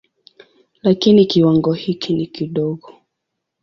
Lakini kiwango hiki ni kidogo.